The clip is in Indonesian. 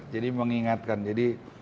jadi mengingatkan jadi